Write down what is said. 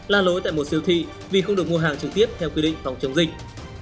là lỗi tại một siêu thị vì không được mua hàng trực tiếp theo quy định phòng chống dịch